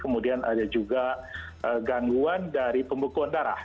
kemudian ada juga gangguan dari pembekuan darah